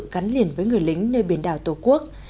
gắn liền với người lính nơi biển đảo tổ quốc